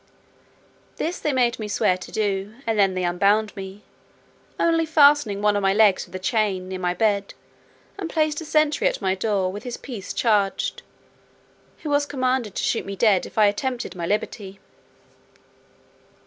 This they made me swear to do, and then they unbound me, only fastening one of my legs with a chain, near my bed, and placed a sentry at my door with his piece charged, who was commanded to shoot me dead if I attempted my liberty.